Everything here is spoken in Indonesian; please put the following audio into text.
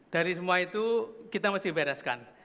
dari semua itu kita mesti bereskan